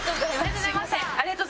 すいません。